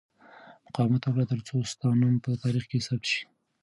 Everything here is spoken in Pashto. مقاومت وکړه ترڅو ستا نوم په تاریخ کې ثبت شي.